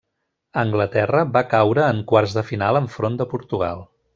Anglaterra va caure en quarts de final enfront de Portugal.